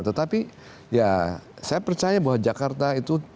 tetapi ya saya percaya bahwa jakarta itu